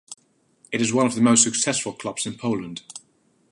It is one of the most successful clubs in Poland.